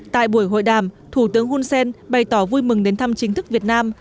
tại buổi hội đàm thủ tướng hun sen bày tỏ vui mừng đến thăm chính thức việt nam